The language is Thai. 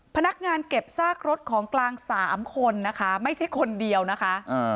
พนักงานเก็บซากรถของกลางสามคนนะคะไม่ใช่คนเดียวนะคะ